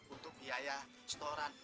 untuk biaya setoran